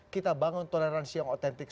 kita bangun toleransi yang otentik